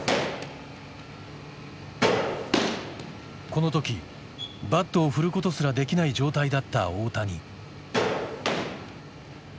この時バットを振ることすらできない状態だった大谷。